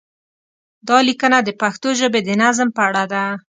دا لیکنه د پښتو ژبې د نظم په اړه ده.